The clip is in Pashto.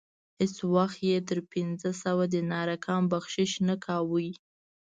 هیڅ وخت یې تر پنځه سوه دیناره کم بخشش نه کاوه.